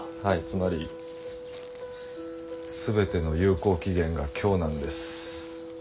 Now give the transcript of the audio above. はいつまり全ての有効期限が今日なんです。